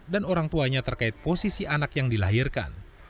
dan orang tuanya terkait posisi anak yang dilahirkan